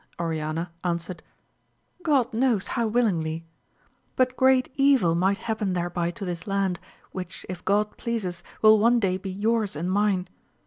Oriana answered, God knows how willingly ! but great evil might happea thereby to this land, which if God pleases will one day be yours and mine.